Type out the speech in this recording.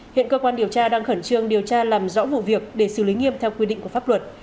hiện cơ quan điều tra đang khẩn trương điều tra làm rõ vụ việc để xử lý nghiêm theo quy định của pháp luật